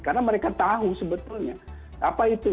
karena mereka tahu sebetulnya apa itu